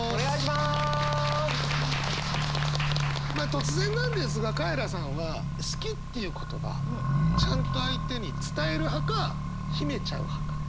突然なんですがカエラさんは「好き」っていう言葉ちゃんと相手に伝える派か秘めちゃう派か。